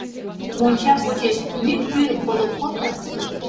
Монча почеш мӱй пӱрым подыл колто.